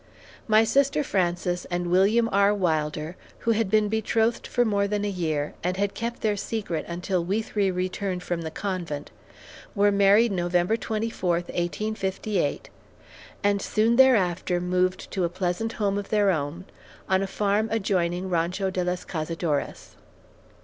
My sister Frances and William R. Wilder, who had been betrothed for more than a year, and had kept their secret until we three returned from the convent, were married November 24, 1858, and soon thereafter moved to a pleasant home of their own on a farm adjoining Rancho de los Cazadores.